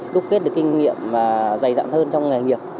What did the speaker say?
đúc kết được kinh nghiệm và dày dặn hơn trong nghề nghiệp